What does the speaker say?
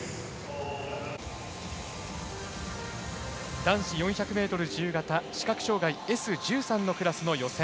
男子４００ｍ自由形視覚障がいＳ１３のクラスの予選。